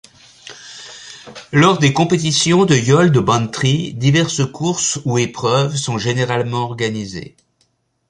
Lors des compétitions de yoles de Bantry, diverses courses ou épreuves sont généralement organisées.